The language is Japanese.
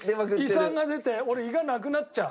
胃酸が出て俺胃がなくなっちゃう。